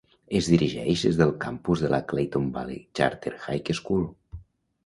Es dirigeix des del campus de la Clayton Valley Charter High School.